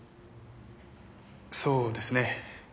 そうですね。